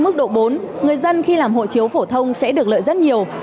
mức độ bốn người dân khi làm hộ chiếu phổ thông sẽ được lợi rất nhiều